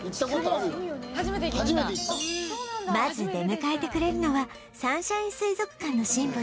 まず出迎えてくれるのはサンシャイン水族館のシンボル